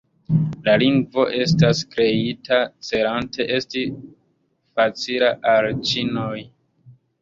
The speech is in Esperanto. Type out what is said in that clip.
La lingvo estas kreita celante esti facila al ĉinoj.